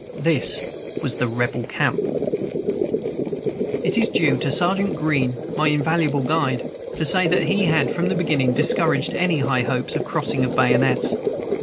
This was the "Rebel camp"! It is due to Sergeant Greene, my invaluable guide, to say that he had from the beginning discouraged any high hopes of a crossing of bayonets.